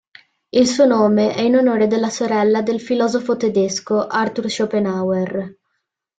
Il suo nome è in onore della sorella del filosofo tedesco Arthur Schopenhauer.